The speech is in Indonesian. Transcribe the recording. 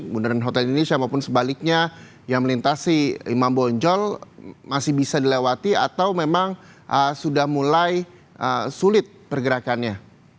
bundaran hotel indonesia maupun sebaliknya yang melintasi imam bonjol masih bisa dilewati atau memang sudah mulai sulit pergerakannya